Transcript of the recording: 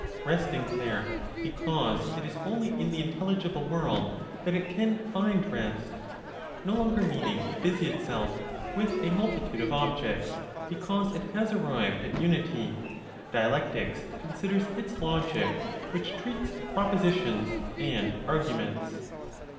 Resting there, because it is only in the intelligible world that it can find rest, no longer needing to busy itself with a multitude of objects, because it has arrived at unity, dialectics considers its logic, which treats of propositions and arguments.